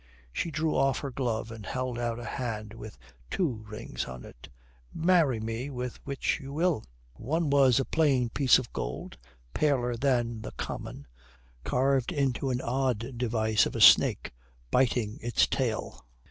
She drew off her glove and held out a hand with two rings on it. "Marry me with which you will." One was a plain piece of gold, paler than the common, carved into an odd device of a snake biting its tail.